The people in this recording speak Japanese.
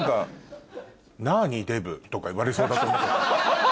「何？デブ」とか言われそうだと思ってた。